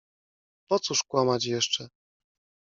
Po cóż kłamać jeszcze?